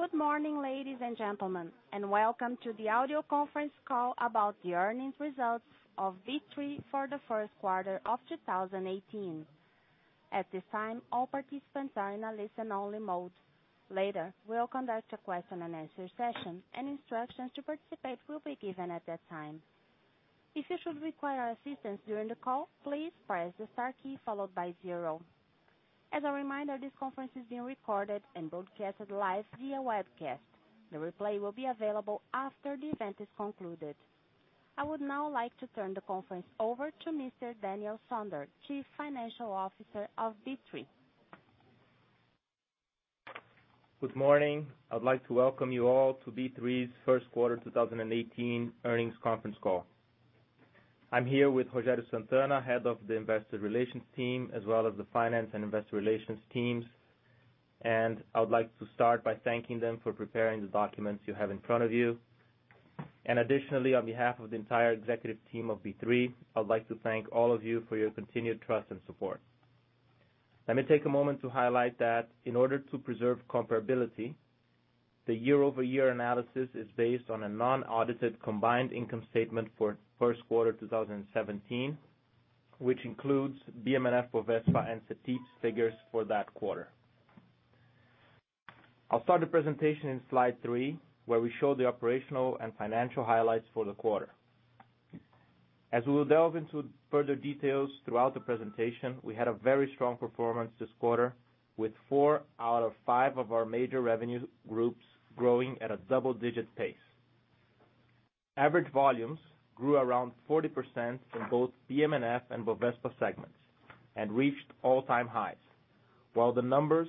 Good morning, ladies and gentlemen, welcome to the audio conference call about the earnings results of B3 for the first quarter of 2018. At this time, all participants are in a listen-only mode. Later, we'll conduct a question and answer session, and instructions to participate will be given at that time. If you should require assistance during the call, please press the star key followed by zero. As a reminder, this conference is being recorded and broadcasted live via webcast. The replay will be available after the event is concluded. I would now like to turn the conference over to Mr. Daniel Sonder, Chief Financial Officer of B3. Good morning. I'd like to welcome you all to B3's first quarter 2018 earnings conference call. I'm here with Rogério Sant'Anna, Head of the Investor Relations team, as well as the Finance and Investor Relations teams. I would like to start by thanking them for preparing the documents you have in front of you. Additionally, on behalf of the entire executive team of B3, I'd like to thank all of you for your continued trust and support. Let me take a moment to highlight that in order to preserve comparability, the year-over-year analysis is based on a non-audited combined income statement for first quarter 2017, which includes BM&FBOVESPA and Cetip's figures for that quarter. I'll start the presentation in slide three, where we show the operational and financial highlights for the quarter. As we will delve into further details throughout the presentation, we had a very strong performance this quarter, with four out of five of our major revenue groups growing at a double-digit pace. Average volumes grew around 40% from both BM&F and Bovespa segments and reached all-time highs. While the numbers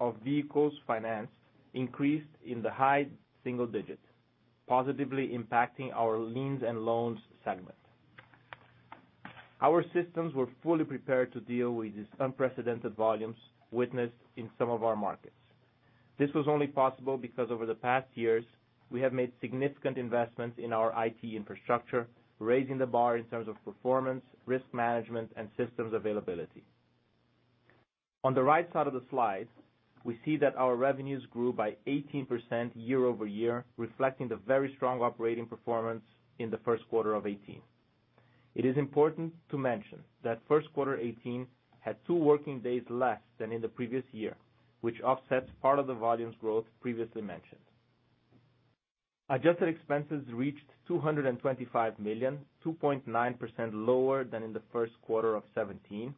of vehicles financed increased in the high single digits, positively impacting our liens and loans segment. Our systems were fully prepared to deal with these unprecedented volumes witnessed in some of our markets. This was only possible because over the past years, we have made significant investments in our IT infrastructure, raising the bar in terms of performance, risk management, and systems availability. On the right side of the slide, we see that our revenues grew by 18% year-over-year, reflecting the very strong operating performance in the first quarter of 2018. It is important to mention that first quarter 2018 had two working days less than in the previous year, which offsets part of the volumes growth previously mentioned. Adjusted expenses reached 225 million, 2.9% lower than in the first quarter of 2017.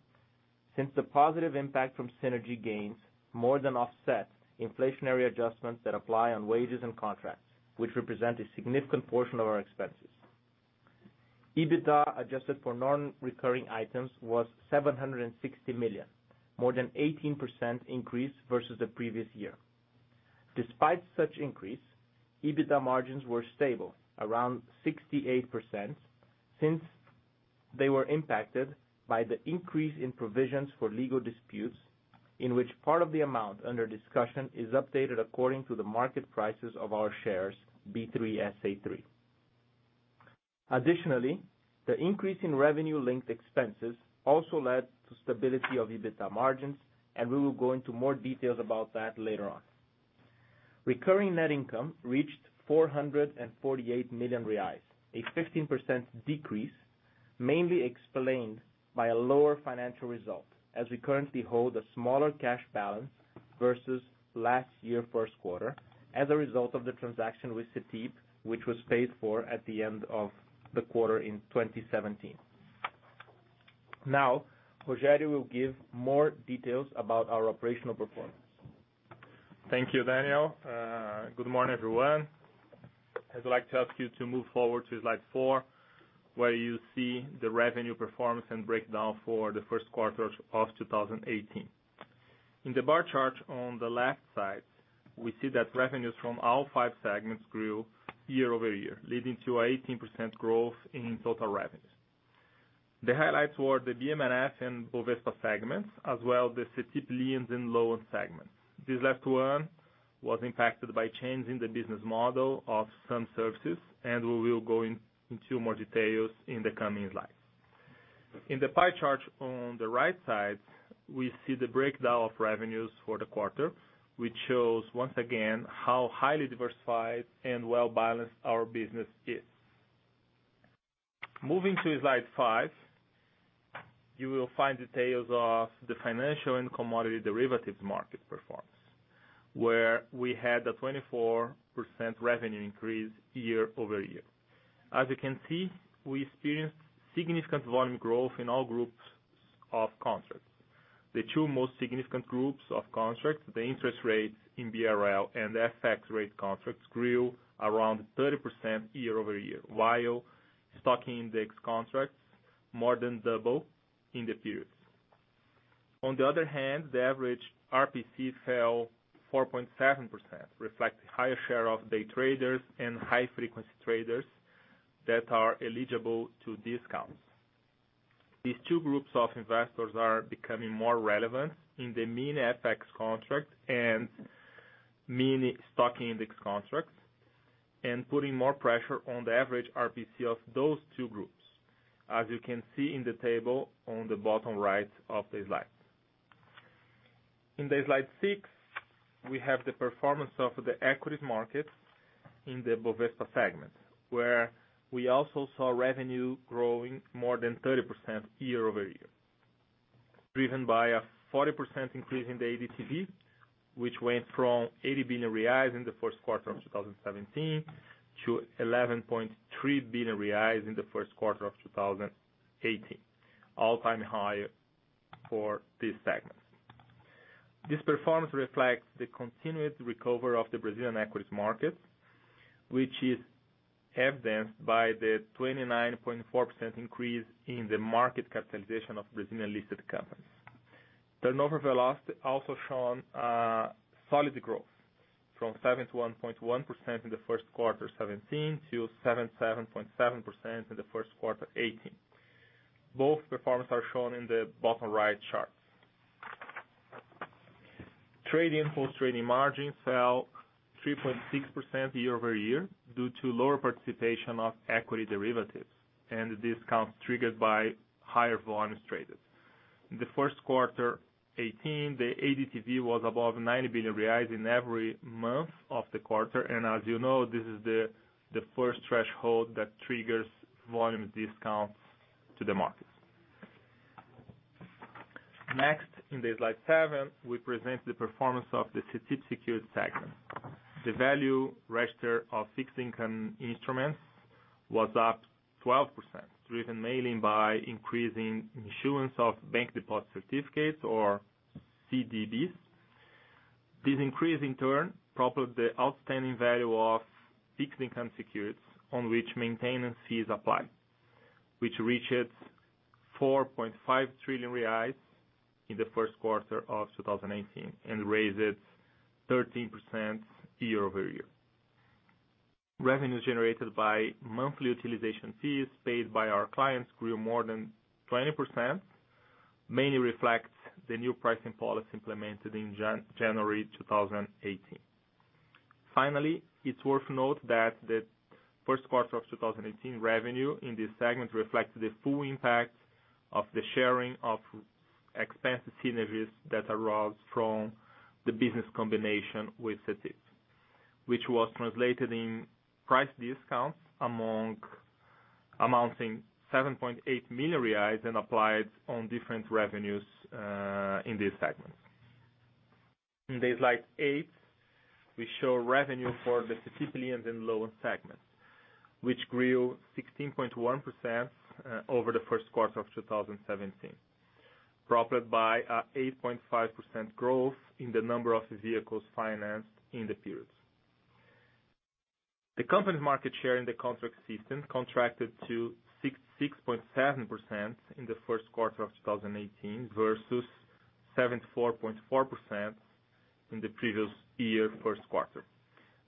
Since the positive impact from synergy gains more than offset inflationary adjustments that apply on wages and contracts, which represent a significant portion of our expenses. EBITDA, adjusted for non-recurring items, was 760 million, more than 18% increase versus the previous year. Despite such an increase, EBITDA margins were stable, around 68%, since they were impacted by the increase in provisions for legal disputes, in which part of the amount under discussion is updated according to the market prices of our shares, B3SA3. Additionally, the increase in revenue-linked expenses also led to stability of EBITDA margins, and we will go into more details about that later on. Recurring net income reached 448 million reais, a 15% decrease, mainly explained by a lower financial result, as we currently hold a smaller cash balance versus last year first quarter as a result of the transaction with Cetip, which was paid for at the end of the quarter in 2017. Rogério will give more details about our operational performance. Thank you, Daniel. Good morning, everyone. I'd like to ask you to move forward to slide four, where you see the revenue performance and breakdown for the first quarter of 2018. In the bar chart on the left side, we see that revenues from all five segments grew year-over-year, leading to an 18% growth in total revenues. The highlights were the BM&F and BOVESPA segments, as well as the Cetip liens and loans segment. This last one was impacted by changing the business model of some services. We will go into more details in the coming slides. In the pie chart on the right side, we see the breakdown of revenues for the quarter, which shows once again how highly diversified and well-balanced our business is. Moving to slide five, you will find details of the financial and commodity derivatives market performance, where we had a 24% revenue increase year-over-year. As you can see, we experienced significant volume growth in all groups of contracts. The two most significant groups of contracts, the interest rates in BRL and FX rate contracts, grew around 30% year-over-year, while stock index contracts more than doubled in the period. On the other hand, the average RPC fell 4.7%, reflecting a higher share of day traders and high-frequency traders that are eligible to discounts. These two groups of investors are becoming more relevant in the mini FX contracts and mini stock index contracts, putting more pressure on the average RPC of those two groups, as you can see in the table on the bottom right of the slide. In slide six, we have the performance of the equities market in the Bovespa segment, where we also saw revenue growing more than 30% year-over-year, driven by a 40% increase in the ADTV, which went from 8.0 billion reais in the first quarter of 2017 to 11.3 billion reais in the first quarter of 2018. All-time high for this segment. This performance reflects the continued recovery of the Brazilian equities market, which is evidenced by the 29.4% increase in the market capitalization of Brazilian-listed companies. Turnover velocity also shown a solid growth from 71.1% in the first quarter 2017 to 77.7% in the first quarter 2018. Both performance are shown in the bottom right charts. Trading post-trading margins fell 3.6% year-over-year due to lower participation of equity derivatives and discounts triggered by higher volumes traded. In the first quarter 2018, the ADTV was above 9 billion reais in every month of the quarter. As you know, this is the first threshold that triggers volume discounts to the market. In slide seven, we present the performance of the Cetip Securities segment. The value register of fixed income instruments was up 12%, driven mainly by increasing issuance of bank deposit certificates or CDBs. This increase, in turn, propelled the outstanding value of fixed income securities on which maintenance fees apply, which reached 4.5 trillion reais in the first quarter of 2018 and raised 13% year-over-year. Revenues generated by monthly utilization fees paid by our clients grew more than 20%, mainly reflects the new pricing policy implemented in January 2018. Finally, it's worth note that the first quarter of 2018 revenue in this segment reflects the full impact of the sharing of expense synergies that arose from the business combination with Cetip. Which was translated in price discounts amounting 7.8 million reais and applied on different revenues in this segment. In slide eight, we show revenue for the Cetip liens and loans segment, which grew 16.1% over the first quarter of 2017, propelled by a 8.5% growth in the number of vehicles financed in the period. The company's market share in the contract system contracted to 66.7% in the first quarter of 2018 versus 74.4% in the previous year first quarter.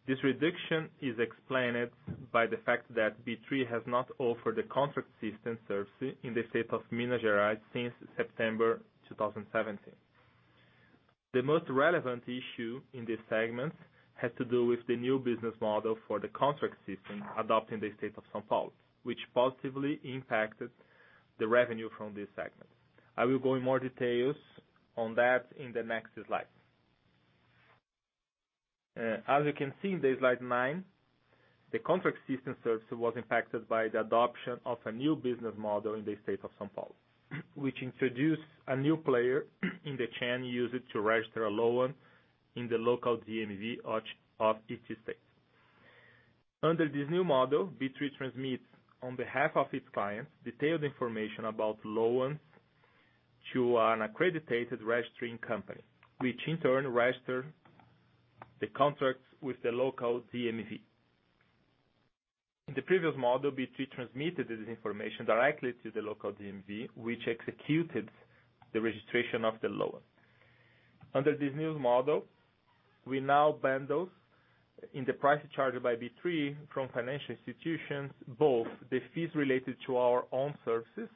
This reduction is explained by the fact that B3 has not offered a contract system service in the state of Minas Gerais since September 2017. The most relevant issue in this segment has to do with the new business model for the contract system adopted in the state of São Paulo, which positively impacted the revenue from this segment. I will go in more details on that in the next slide. As you can see in slide nine, the contract system service was impacted by the adoption of a new business model in the state of São Paulo, which introduced a new player in the chain used to register a loan in the local DETRAN of each state. Under this new model, B3 transmits on behalf of its clients, detailed information about loans to an accredited registering company, which in turn register the contracts with the local DETRAN. In the previous model, B3 transmitted this information directly to the local DETRAN, which executed the registration of the loan. Under this new model, we now bundle in the price charged by B3 from financial institutions, both the fees related to our own services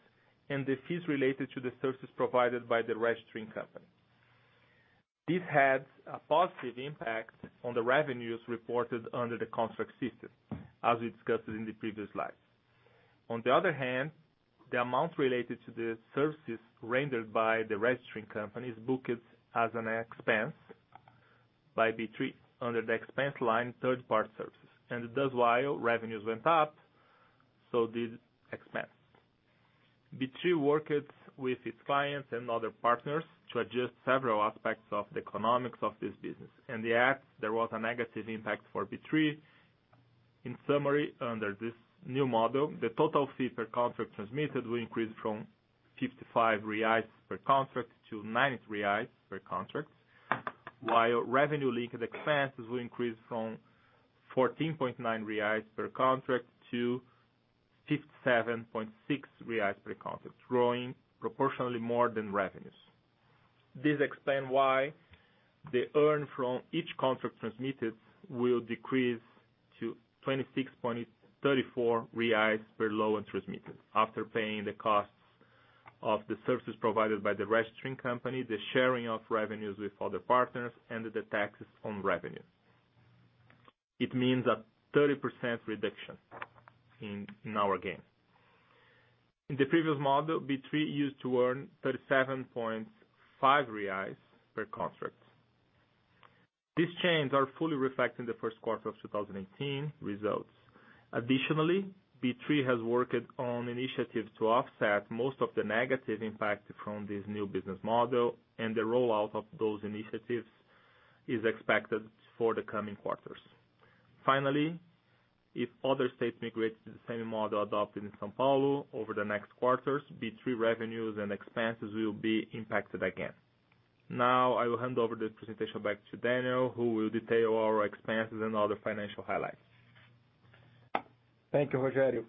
and the fees related to the services provided by the registering company. This had a positive impact on the revenues reported under the contract system, as we discussed in the previous slide. On the other hand, the amount related to the services rendered by the registering companies booked as an expense by B3 under the expense line, third-party services. Thus, while revenues went up, so did expense. B3 worked with its clients and other partners to adjust several aspects of the economics of this business. In the end, there was a negative impact for B3. In summary, under this new model, the total fee per contract transmitted will increase from 55 reais per contract to 90 reais per contract. While revenue-linked expenses will increase from 14.9 reais per contract to 57.6 reais per contract, growing proportionally more than revenues. This explains why the earn from each contract transmitted will decrease to 26.34 reais per loan transmitted after paying the costs of the services provided by the registering company, the sharing of revenues with other partners and the taxes on revenues. It means a 30% reduction in our gain. In the previous model, B3 used to earn 37.5 reais per contract. These changes are fully reflected in the first quarter of 2018 results. Additionally, B3 has worked on initiatives to offset most of the negative impact from this new business model, and the rollout of those initiatives is expected for the coming quarters. Finally, if other states migrate to the same model adopted in São Paulo over the next quarters, B3 revenues and expenses will be impacted again. I will hand over the presentation back to Daniel, who will detail our expenses and other financial highlights. Thank you, Rogério.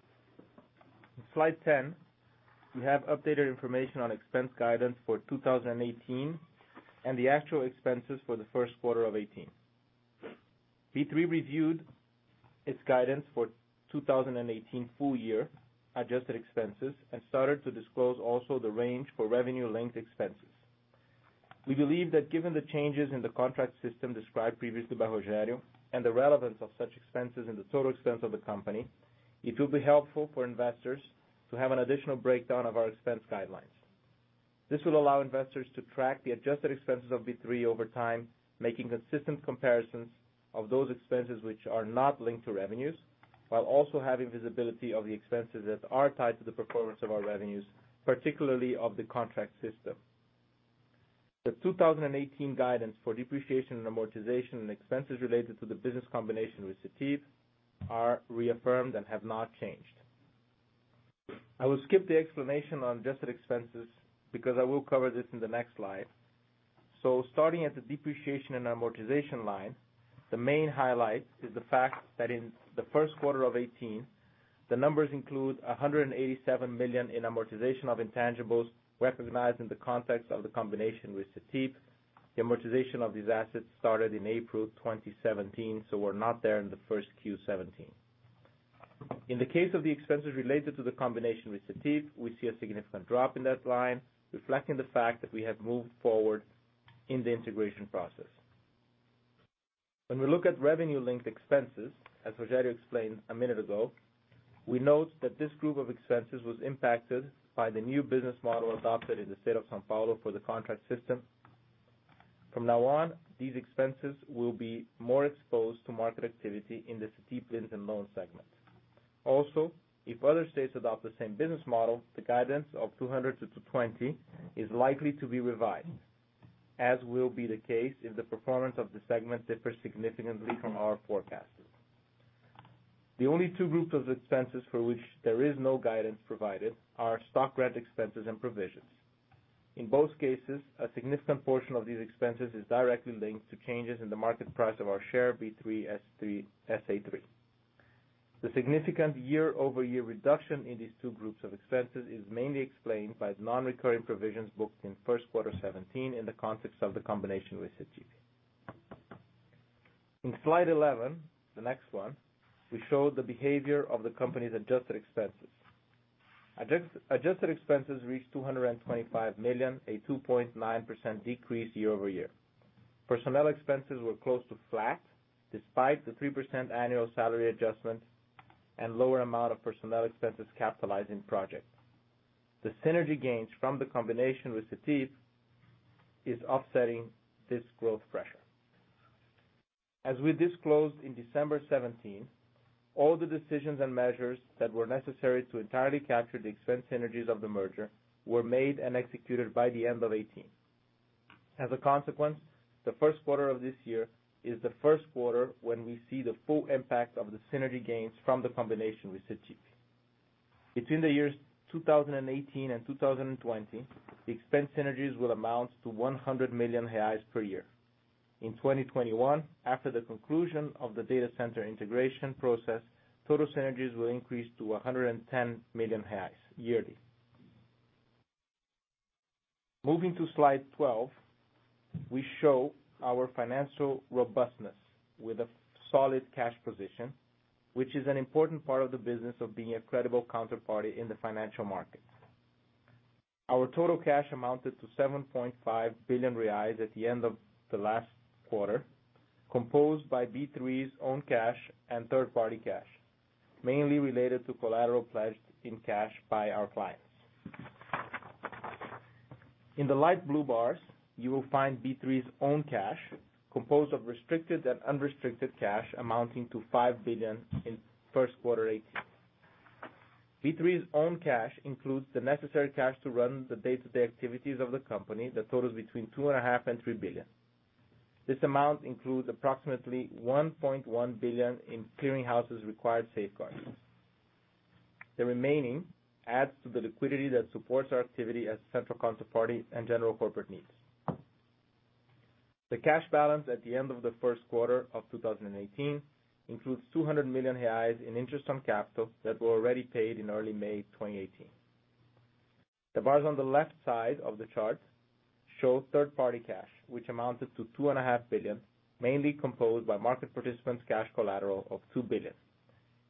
In slide 10, we have updated information on expense guidance for 2018 and the actual expenses for the first quarter of 2018. B3 reviewed its guidance for 2018 full year adjusted expenses and started to disclose also the range for revenue-linked expenses. We believe that given the changes in the contract system described previously by Rogério and the relevance of such expenses and the total expense of the company, it will be helpful for investors to have an additional breakdown of our expense guidelines. This will allow investors to track the adjusted expenses of B3 over time, making consistent comparisons of those expenses which are not linked to revenues, while also having visibility of the expenses that are tied to the performance of our revenues, particularly of the contract system. The 2018 guidance for depreciation and amortization and expenses related to the business combination with Cetip are reaffirmed and have not changed. I will skip the explanation on adjusted expenses because I will cover this in the next slide. Starting at the depreciation and amortization line, the main highlight is the fact that in the first quarter of 2018, the numbers include 187 million in amortization of intangibles recognized in the context of the combination with Cetip. The amortization of these assets started in April 2017, so were not there in the first quarter of 2017. In the case of the expenses related to the combination with Cetip, we see a significant drop in that line, reflecting the fact that we have moved forward in the integration process. When we look at revenue-linked expenses, as Rogério explained a minute ago, we note that this group of expenses was impacted by the new business model adopted in the state of São Paulo for the Sistema de Contratos. From now on, these expenses will be more exposed to market activity in the Cetip loans and loans segment. Also, if other states adopt the same business model, the guidance of 200 million to 220 million is likely to be revised, as will be the case if the performance of the segment differs significantly from our forecasts. The only two groups of expenses for which there is no guidance provided are stock grant expenses and provisions. In both cases, a significant portion of these expenses is directly linked to changes in the market price of our share B3SA3. The significant year-over-year reduction in these two groups of expenses is mainly explained by non-recurring provisions booked in first quarter 2017 in the context of the combination with Cetip. In slide 11, the next one, we show the behavior of the company's adjusted expenses. Adjusted expenses reached 225 million, a 2.9% decrease year-over-year. Personnel expenses were close to flat, despite the 3% annual salary adjustment and lower amount of personnel expenses capitalizing projects. The synergy gains from the combination with Cetip is offsetting this growth pressure. As we disclosed in December 2017, all the decisions and measures that were necessary to entirely capture the expense synergies of the merger were made and executed by the end of 2017. As consequence, the first quarter of this year is the first quarter when we see the full impact of the synergy gains from the combination with Cetip. Between the years 2018 and 2020, expense synergies will amount to 100 million reais per year. In 2021, after the conclusion of the data center integration process, total synergies will increase to 110 million yearly. Moving to slide 12, we show our financial robustness with a solid cash position, which is an important part of the business of being a credible counterparty in the financial market. Our total cash amounted to 7.5 billion reais at the end of the last quarter, composed by B3's own cash and third-party cash, mainly related to collateral pledged in cash by our clients. In the light blue bars, you will find B3's own cash, composed of restricted and unrestricted cash amounting to 5 billion in first quarter 2018. B3's own cash includes the necessary cash to run the day-to-day activities of the company that totals between two and a half billion and 3 billion. This amount includes approximately 1.1 billion in clearing houses' required safeguards. The remaining adds to the liquidity that supports our activity as central counterparty and general corporate needs. The cash balance at the end of the first quarter of 2018 includes 200 million reais in interest on capital that were already paid in early May 2018. The bars on the left side of the chart show third-party cash, which amounted to two and a half billion, mainly composed by market participants' cash collateral of 2 billion.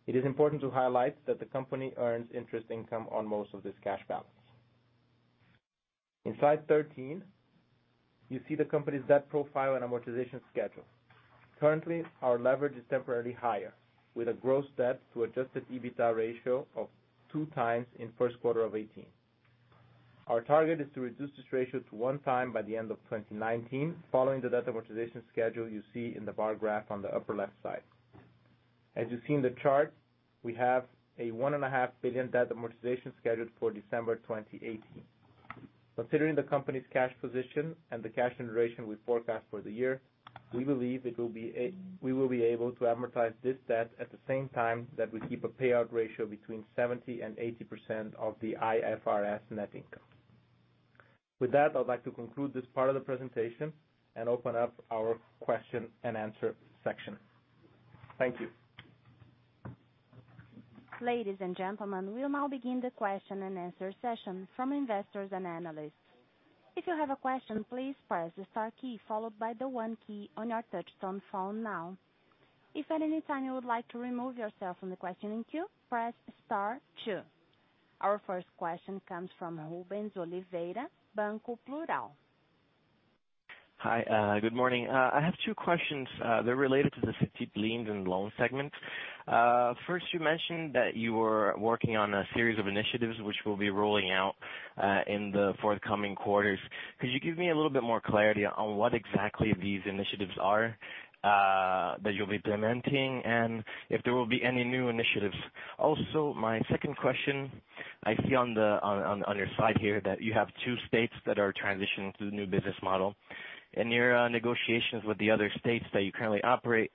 It is important to highlight that the company earns interest income on most of this cash balance. In slide 13, you see the company's debt profile and amortization schedule. Currently, our leverage is temporarily higher, with a gross debt to adjusted EBITDA ratio of two times in first quarter of 2018. Our target is to reduce this ratio to one time by the end of 2019, following the debt amortization schedule you see in the bar graph on the upper left side. As you see in the chart, we have a 1.5 billion debt amortization scheduled for December 2018. Considering the company's cash position and the cash generation we forecast for the year, we believe we will be able to amortize this debt at the same time that we keep a payout ratio between 70% and 80% of the IFRS net income. With that, I would like to conclude this part of the presentation and open up our question and answer section. Thank you. Ladies and gentlemen, we'll now begin the question and answer session from investors and analysts. If you have a question, please press the star key, followed by the one key on your touch-tone phone now. If at any time you would like to remove yourself from the questioning queue, press star two. Our first question comes from Rubens Oliveira, Banco Plural. Hi, good morning. I have two questions. They're related to the Cetip liens and loans segment. First, you mentioned that you were working on a series of initiatives which will be rolling out in the forthcoming quarters. Could you give me a little bit more clarity on what exactly these initiatives are that you'll be implementing, and if there will be any new initiatives? Also, my second question, I see on your slide here that you have two states that are transitioning to the new business model. In your negotiations with the other states that you currently operate,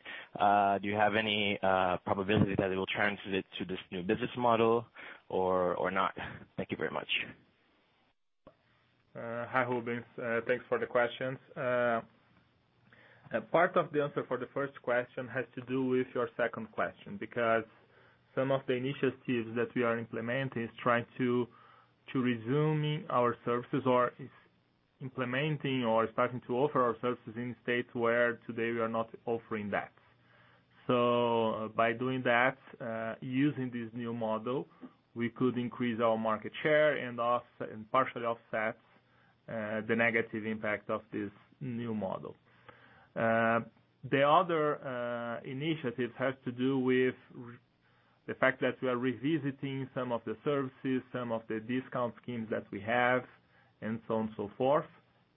do you have any probability that they will transit to this new business model or not? Thank you very much. Hi, Rubens. Thanks for the questions. Part of the answer for the first question has to do with your second question, because some of the initiatives that we are implementing is trying to resume our services or implementing or starting to offer our services in states where today we are not offering that. By doing that, using this new model, we could increase our market share and partially offset the negative impact of this new model. The other initiatives have to do with the fact that we are revisiting some of the services, some of the discount schemes that we have and so on and so forth.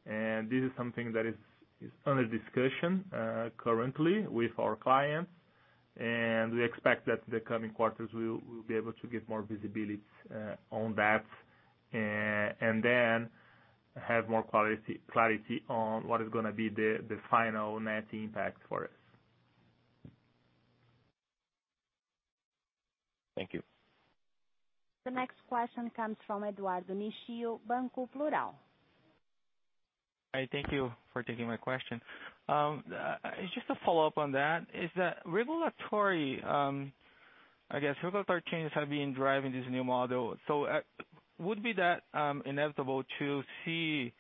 This is something that is under discussion currently with our clients, and we expect that in the coming quarters, we will be able to get more visibility on that, and then have more clarity on what is going to be the final net impact for us. Thank you. The next question comes from Eduardo Nishio, Banco Plural. Hi, thank you for taking my question. Just to follow up on that, regulatory changes have been driving this new model. Would it be inevitable to see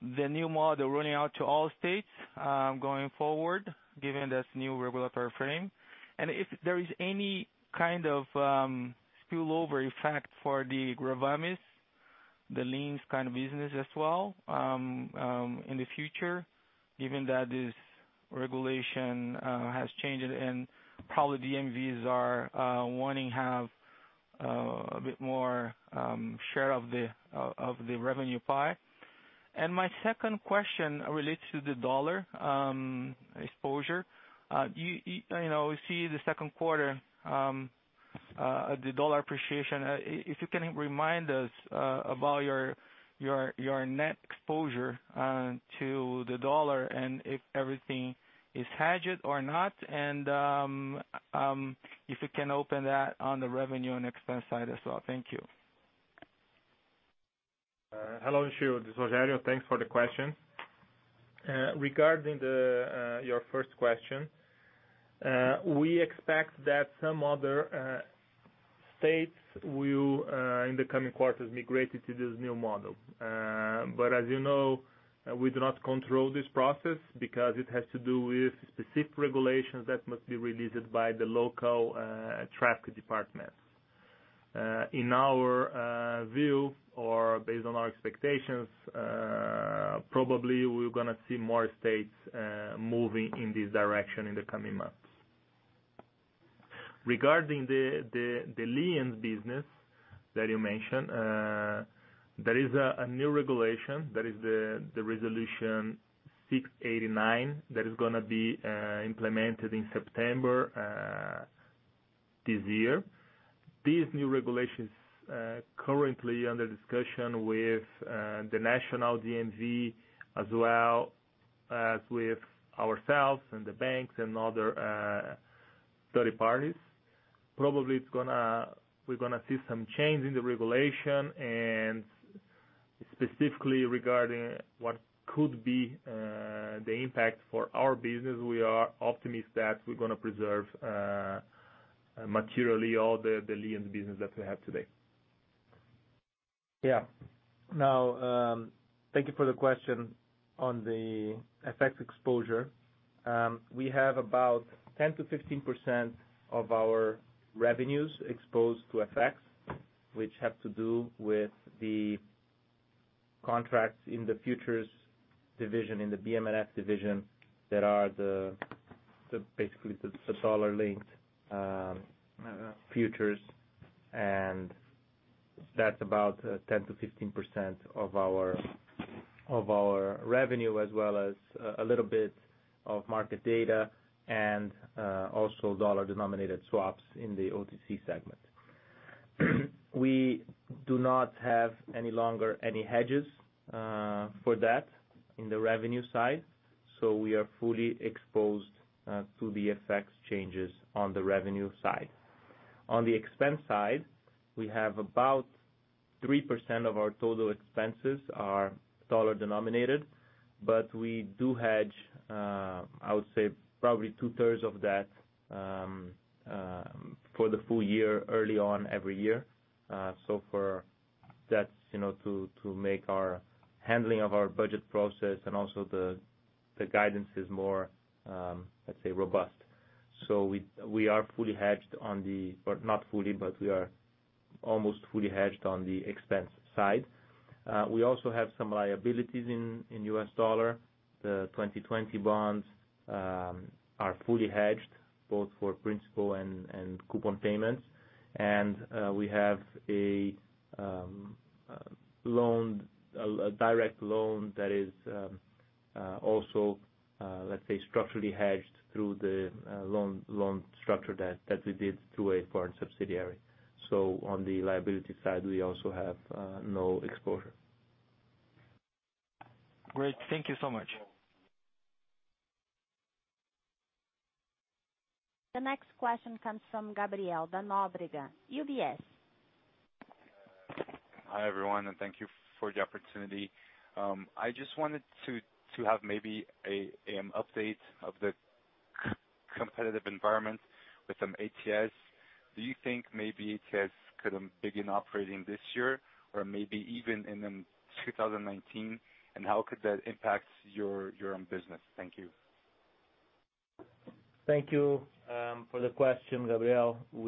the new model rolling out to all states going forward, given this new regulatory frame? If there is any kind of spill-over effect for the gravame, the liens kind of business as well in the future, given that this regulation has changed and probably DETRANs are wanting to have a bit more share of the revenue pie. My second question relates to the dollar exposure. We see the second quarter, the dollar appreciation. If you can remind us about your net exposure to the dollar and if everything is hedged or not, and if you can open that on the revenue and expense side as well. Thank you. Hello, Nishio. This is Rogério. Thanks for the question. Regarding your first question, we expect that some other states will, in the coming quarters, migrate to this new model. As you know, we do not control this process because it has to do with specific regulations that must be released by the local traffic departments. In our view, or based on our expectations, probably we're going to see more states moving in this direction in the coming months. Regarding the liens business that you mentioned, there is a new regulation that is the Resolution 689 that is going to be implemented in September this year. These new regulations are currently under discussion with the national DETRAN, as well as with ourselves and the banks and other third parties. Probably, we're going to see some change in the regulation, and specifically regarding what could be the impact for our business. We are optimistic that we're going to preserve materially all the liens business that we have today. Thank you for the question on the FX exposure. We have about 10%-15% of our revenues exposed to FX, which have to do with the contracts in the futures division, in the BM&F division, that are basically the dollar-linked futures. That's about 10%-15% of our revenue, as well as a little bit of market data and also dollar-denominated swaps in the OTC segment. We do not have any longer any hedges for that in the revenue side, so we are fully exposed to the FX changes on the revenue side. On the expense side, we have about 3% of our total expenses are dollar-denominated, but we do hedge, I would say, probably two-thirds of that for the full year early on every year. For that to make our handling of our budget process, and also the guidance is more, let's say, robust. We are fully hedged, or not fully, but we are almost fully hedged on the expense side. We also have some liabilities in U.S. dollar. The 2020 bonds are fully hedged, both for principal and coupon payments. We have a direct loan that is also, let's say, structurally hedged through the loan structure that we did through a foreign subsidiary. On the liability side, we also have no exposure. Great. Thank you so much. The next question comes from Gabriel da Nóbrega, UBS. Hi, everyone, thank you for the opportunity. I just wanted to have maybe an update of the competitive environment with some ATS. Do you think maybe ATS could begin operating this year or maybe even in 2019? How could that impact your own business? Thank you. Thank you for the question, Gabriel. As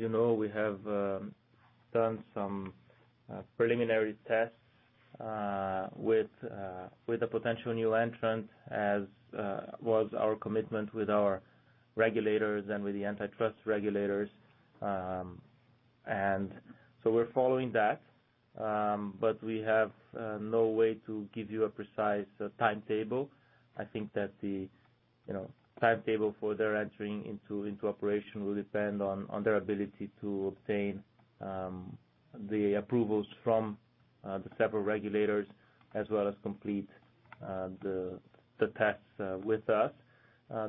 you know, we have done some preliminary tests with a potential new entrant, as was our commitment with our regulators and with the antitrust regulators. So we're following that. We have no way to give you a precise timetable. I think that the timetable for their entering into operation will depend on their ability to obtain the approvals from the several regulators as well as complete the tests with us.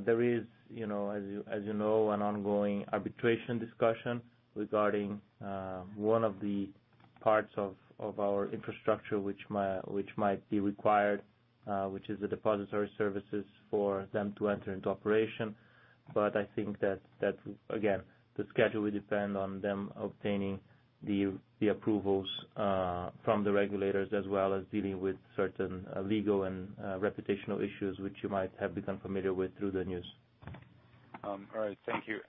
There is, as you know, an ongoing arbitration discussion regarding one of the parts of our infrastructure which might be required, which is the depository services for them to enter into operation. I think that, again, the schedule will depend on them obtaining the approvals from the regulators as well as dealing with certain legal and reputational issues which you might have become familiar with through the news. All right, thank you.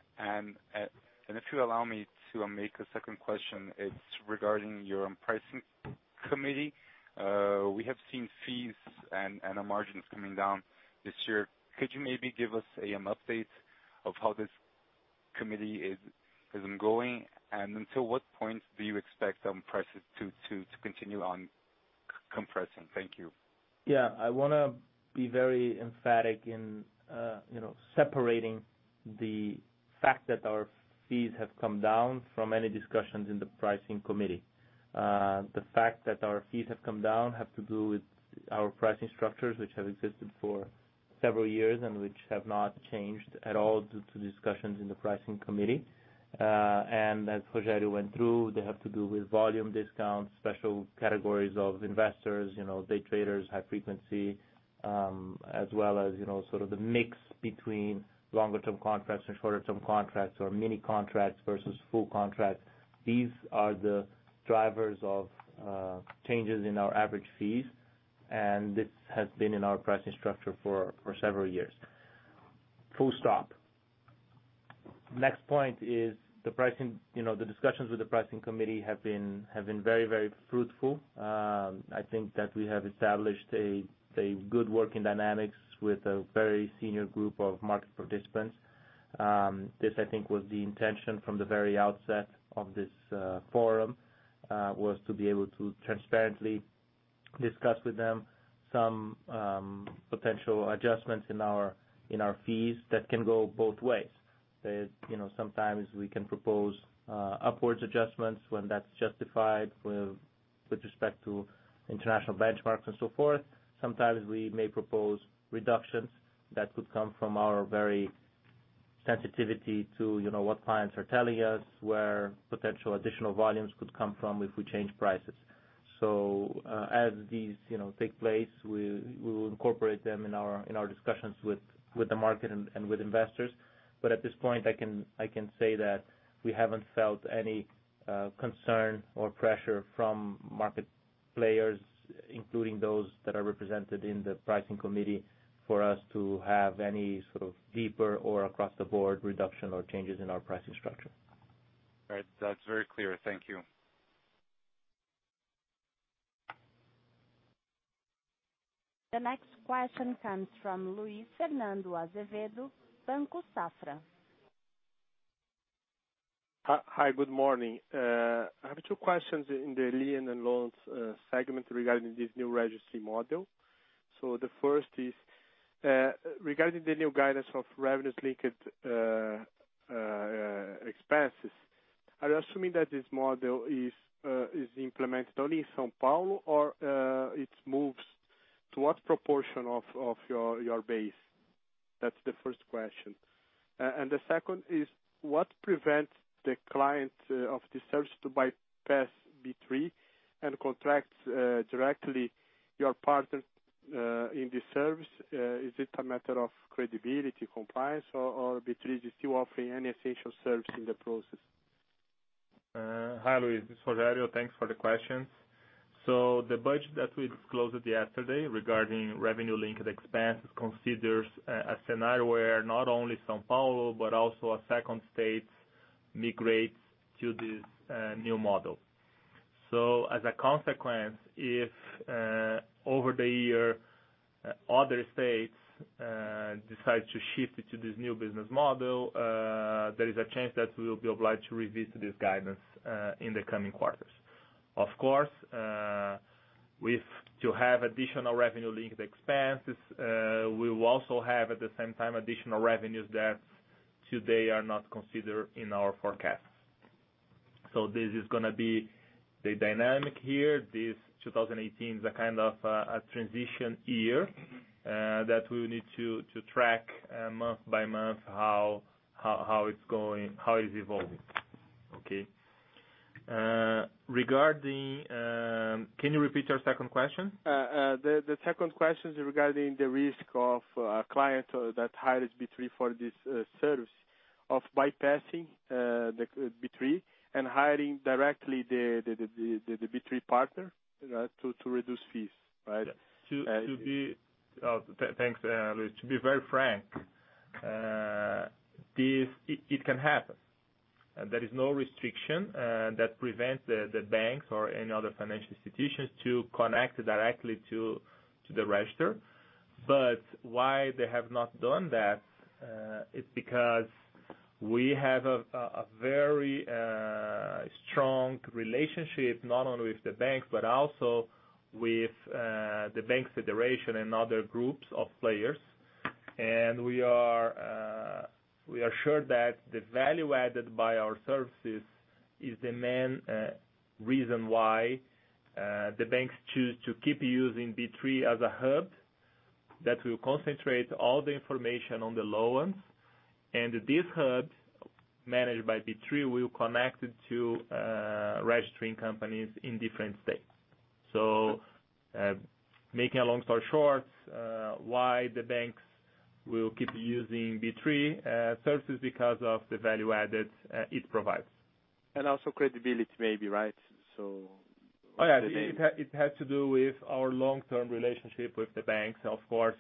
If you allow me to make a second question, it's regarding your pricing committee. We have seen fees and our margins coming down this year. Could you maybe give us an update of how this committee is going? Until what point do you expect prices to continue on compressing? Thank you. Yeah, I want to be very emphatic in separating the fact that our fees have come down from any discussions in the pricing committee. The fact that our fees have come down have to do with our pricing structures, which have existed for several years and which have not changed at all due to discussions in the pricing committee. As Rogério went through, they have to do with volume discounts, special categories of investors, day traders, high frequency, as well as sort of the mix between longer-term contracts and shorter-term contracts, or mini contracts versus full contracts. These are the drivers of changes in our average fees, and this has been in our pricing structure for several years. Full stop. Next point is the discussions with the pricing committee have been very fruitful. I think that we have established a good working dynamics with a very senior group of market participants. This, I think, was the intention from the very outset of this forum, was to be able to transparently discuss with them some potential adjustments in our fees that can go both ways. Sometimes we can propose upwards adjustments when that's justified with respect to international benchmarks and so forth. Sometimes we may propose reductions that could come from our very sensitivity to what clients are telling us, where potential additional volumes could come from if we change prices. As these take place, we will incorporate them in our discussions with the market and with investors. At this point, I can say that we haven't felt any concern or pressure from market players, including those that are represented in the pricing committee, for us to have any sort of deeper or across-the-board reduction or changes in our pricing structure. All right. That's very clear. Thank you. The next question comes from Luis Fernando Azevedo, Banco Safra. Hi. Good morning. I have two questions in the lien and loans segment regarding this new registry model. The first is, regarding the new guidance of revenues linked expenses, are you assuming that this model is implemented only in São Paulo, or it moves to what proportion of your base? That's the first question. The second is, what prevents the client of the service to bypass B3 and contracts directly your partner in the service? Is it a matter of credibility compliance, or B3 is still offering any essential service in the process? Hi, Luis. This is Rogério. Thanks for the questions. The budget that we disclosed yesterday regarding revenue linked expenses considers a scenario where not only São Paulo, but also a second state migrates to this new model. As a consequence, if over the year, other states decide to shift to this new business model there is a chance that we will be obliged to revisit this guidance in the coming quarters. Of course, if to have additional revenue linked expenses, we will also have, at the same time, additional revenues that today are not considered in our forecasts. This is going to be the dynamic here. This 2018 is a kind of a transition year that we need to track month by month how it's evolving. Okay. Can you repeat your second question? The second question is regarding the risk of a client that hires B3 for this service of bypassing B3 and hiring directly the B3 partner to reduce fees, right? Thanks, Luis. To be very frank it can happen. There is no restriction that prevents the banks or any other financial institutions to connect directly to the register. Why they have not done that is because we have a very strong relationship, not only with the banks, but also with the bank federation and other groups of players. We are sure that the value added by our services is the main reason why the banks choose to keep using B3 as a hub that will concentrate all the information on the loans. This hub managed by B3 will connect to registering companies in different states. Making a long story short, why the banks will keep using B3 services because of the value added it provides. Also credibility maybe, right? Oh, yeah. It has to do with our long-term relationship with the banks, of course.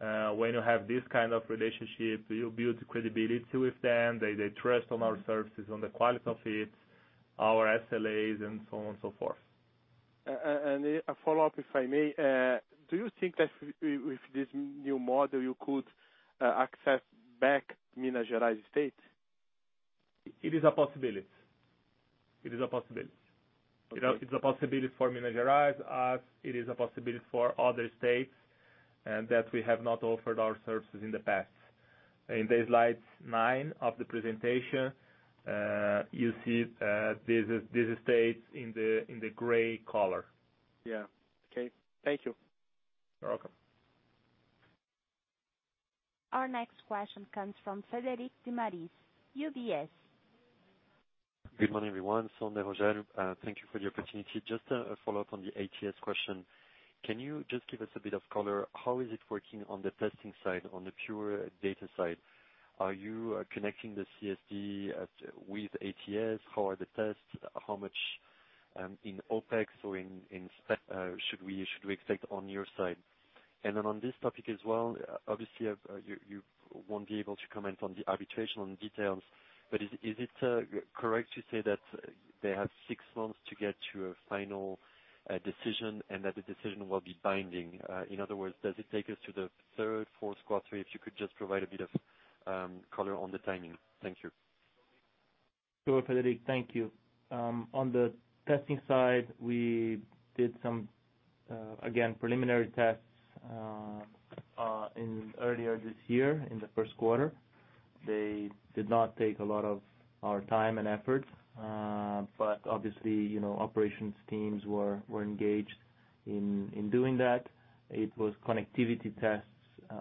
When you have this kind of relationship, you build credibility with them. They trust on our services, on the quality of it, our SLA, and so on and so forth. A follow-up, if I may. Do you think that with this new model, you could access back Minas Gerais state? It is a possibility. It is a possibility for Minas Gerais, as it is a possibility for other states that we have not offered our services in the past. In the slide nine of the presentation you see these states in the gray color. Yeah. Okay. Thank you. You're welcome. Our next question comes from Frederic de Mariz, UBS. Good morning, everyone. Thank you for the opportunity. Just a follow-up on the ATS question. Can you just give us a bit of color? How is it working on the testing side, on the pure data side? Are you connecting the CSD with ATS? How are the tests? How much in OPEX or in spend should we expect on your side? On this topic as well, obviously, you won't be able to comment on the arbitration on details, but is it correct to say that they have six months to get to a final decision and that the decision will be binding? In other words, does it take us to the third, fourth quarter? If you could just provide a bit of color on the timing. Thank you. Sure, Frederic. Thank you. On the testing side, we did some, again, preliminary tests earlier this year in the first quarter. They did not take a lot of our time and effort. Obviously, operations teams were engaged in doing that. It was connectivity tests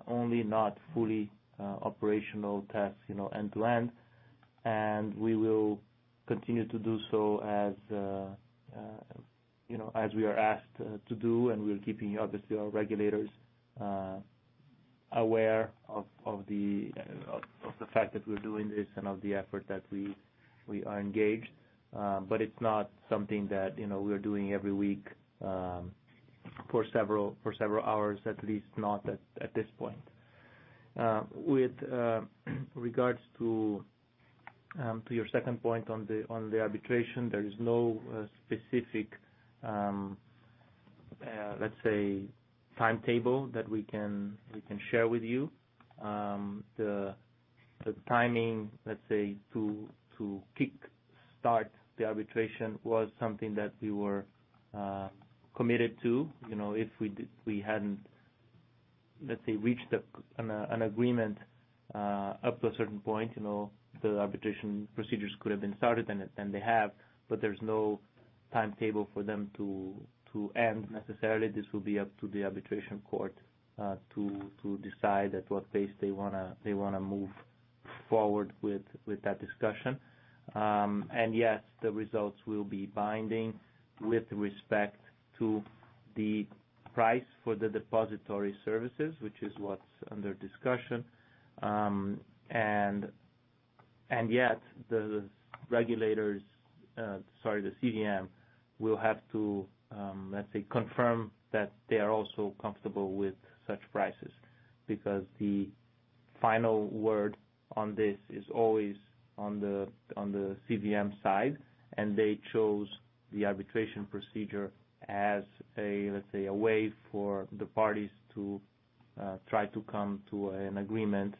only, not fully operational tests end to end. We will continue to do so as we are asked to do, and we're keeping obviously our regulators aware of the fact that we're doing this and of the effort that we are engaged. It's not something that we're doing every week for several hours, at least not at this point. With regards to your second point on the arbitration, there is no specific, let's say, timetable that we can share with you. The timing, let's say, to kick start the arbitration was something that we were committed to. If we hadn't, let's say, reached an agreement up to a certain point, the arbitration procedures could have been started, and they have, but there's no timetable for them to end necessarily. This will be up to the arbitration court to decide at what pace they want to move forward with that discussion. Yes, the results will be binding with respect to the price for the depository services, which is what's under discussion. Yet the regulators, sorry, the CVM, will have to, let's say, confirm that they are also comfortable with such prices, because the final word on this is always on the CVM side, and they chose the arbitration procedure as a, let's say, a way for the parties to try to come to an agreement,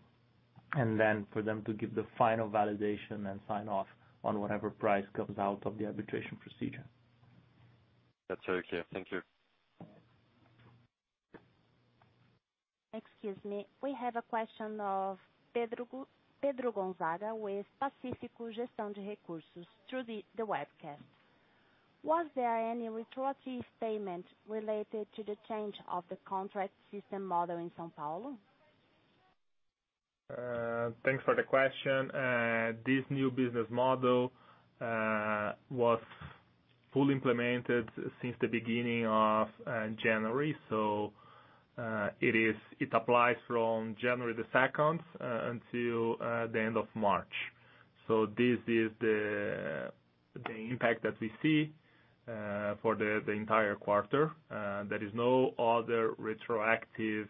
and then for them to give the final validation and sign-off on whatever price comes out of the arbitration procedure. That's very clear. Thank you. Excuse me. We have a question of Pedro Gonzaga with Pacífico Gestão de Recursos through the webcast. Was there any retroactive payment related to the change of the contract system model in São Paulo? Thanks for the question. This new business model was fully implemented since the beginning of January. It applies from January the 2nd until the end of March. This is the impact that we see for the entire quarter. There is no other retroactive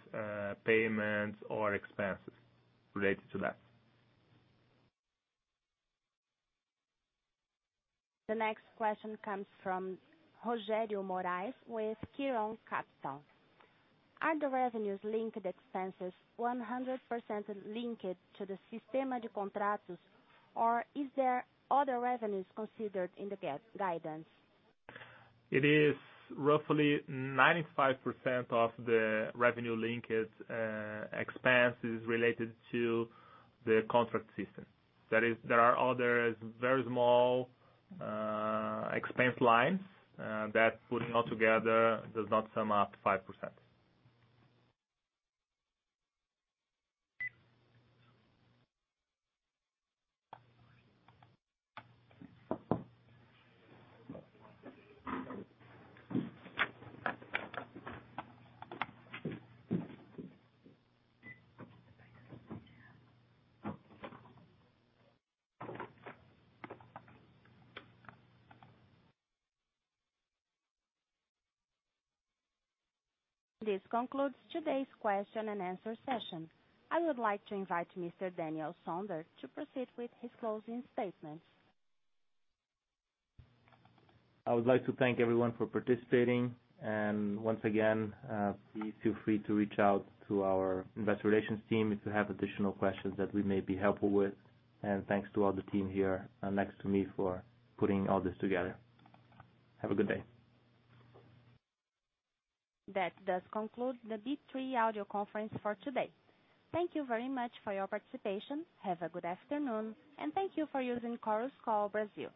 payments or expenses related to that. The next question comes from Rogério Moraes with Kiron Capital. Are the revenues-linked expenses 100% linked to the Sistema de Contratos, or is there other revenues considered in the guidance? It is roughly 95% of the revenue-linked expense is related to the contract system. There are other very small expense lines that putting all together does not sum up to 5%. This concludes today's question and answer session. I would like to invite Mr. Daniel Sonder to proceed with his closing statements. I would like to thank everyone for participating. Once again, please feel free to reach out to our investor relations team if you have additional questions that we may be helpful with. Thanks to all the team here next to me for putting all this together. Have a good day. That does conclude the B3 audio conference for today. Thank you very much for your participation. Have a good afternoon, and thank you for using Chorus Call Brazil.